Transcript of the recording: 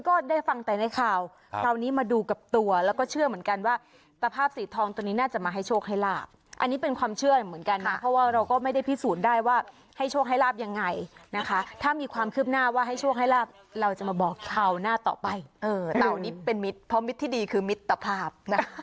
ก็ได้ฟังแต่ในข่าวคราวนี้มาดูกับตัวแล้วก็เชื่อเหมือนกันว่าตะภาพสีทองตัวนี้น่าจะมาให้โชคให้ลาบอันนี้เป็นความเชื่อเหมือนกันนะเพราะว่าเราก็ไม่ได้พิสูจน์ได้ว่าให้โชคให้ลาบยังไงนะคะถ้ามีความคืบหน้าว่าให้โชคให้ลาบเราจะมาบอกคราวหน้าต่อไปเต่านี้เป็นมิตรเพราะมิตรที่ดีคือมิตรภาพนะคะ